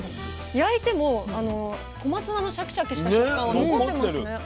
焼いても小松菜のシャキシャキした食感は残ってますね。